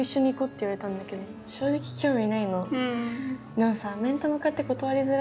でもさ面と向かって断りづらいじゃん。